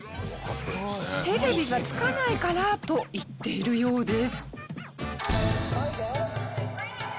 「テレビがつかないから」と言っているようです。